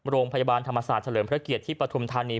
โรงพยาบาลธรรมศาสตร์เฉลิมพระเกียรติที่ปฐุมธานี